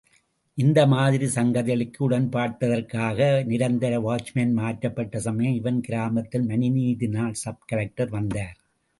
இந்த மாதிரி சங்கதிகளுக்கு உடன்பட்டதற்காக நிரந்தர வாட்ச்மேன் மாற்றப்பட்ட சமயம்... இவன் கிராமத்தில் மனுநீதி நாள்... சப்கலெக்டர் வந்தார்.